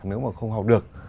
nếu mà không học được